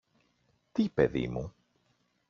Τι, παιδί μου;